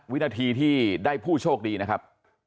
วินาทีที่ได้ผู้โชคดีนะครับ